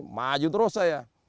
maju terus saya